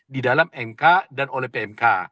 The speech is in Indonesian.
di dalam mk dan oleh pmk